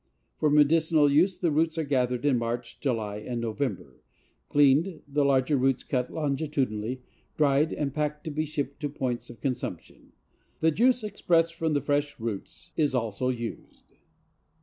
For medicinal use the roots are gathered in March, July and November, cleaned, the larger roots cut longitudinally, dried and packed to be shipped to points of consumption. The juice expressed from the fresh roots is also used.